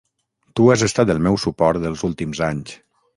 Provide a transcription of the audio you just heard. Tu has estat el meu suport els últims anys.